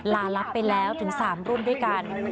ลารับไปแล้วถึง๓รุ่นด้วยกัน